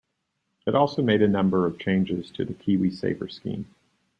It also made a number of changes to the KiwiSaver scheme.